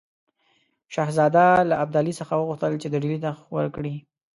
شهزاده له ابدالي څخه وغوښتل چې د ډهلي تخت ورکړي.